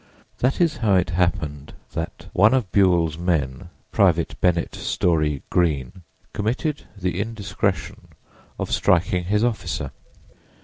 That is how it happened that one of Buell's men, Private Bennett Story Greene, committed the indiscretion of striking his officer.